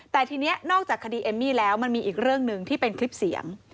แต่ทีนี้นอกจากคดีเอมมี่แล้วมันมีอีกเรื่องหนึ่งที่เป็นคลิปเสียง